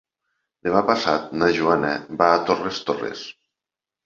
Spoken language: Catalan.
Demà passat na Joana va a Torres Torres.